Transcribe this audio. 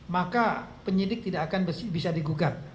maka penyidik tidak akan bisa digugat